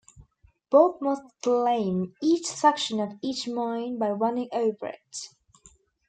Bob must claim each section of each mine by running over it.